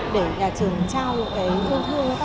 để nhà trường trao thương thương cho các con